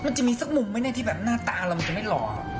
มันจะมีสักมุมไหมเนี่ยที่แบบหน้าตาเรามันจะไม่หล่อ